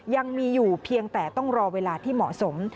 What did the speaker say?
ยังมีอยู่เพียงแต่ต้องรอเวลาที่เหมาะสม